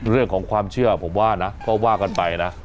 เรื่องของความเชื่อผมว่านะก็ว่ากันไปนะ